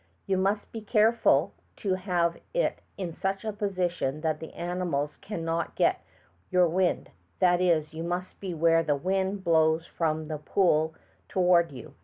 You must be careful to have it in such a position that the animals cannot get your wind, that is, you must be where the wind blows from the pool toward you.